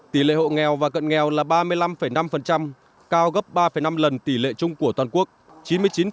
tỷ lệ hộ nghèo và cận nghèo là ba mươi năm năm cao gấp ba năm lần tỷ lệ chung của toàn quốc